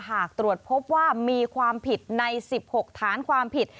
หากตรวจพบว่ามีความผิดใน๑๖ฐานความผิด